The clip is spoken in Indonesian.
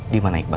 di mana iqbal